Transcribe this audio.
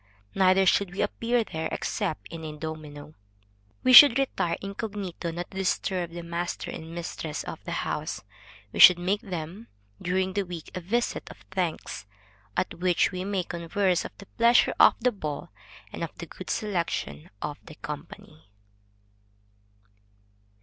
Neither should we appear there except in a domino. We should retire incognito, not to disturb the master and mistress of the house; we should make them during the week, a visit of thanks, at which we may converse of the pleasure of the ball and of the good selection of the company.